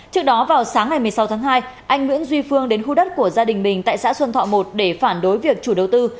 trước đó vào sáng ngày một mươi sáu tháng hai anh nguyễn duy phương đến khu đất của gia đình bình tại xã xuân thọ một để phản đối việc chủ đầu tư